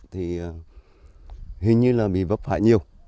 thì hình như là bị vấp hại nhiều